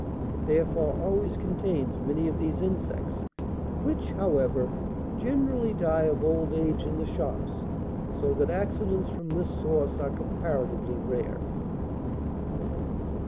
It therefore always contains many of these insects, which, however, generally die of old age in the shops, so that accidents from this source are comparatively rare.